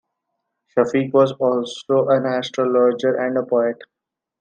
Shafiq was also an astrologer and a poet.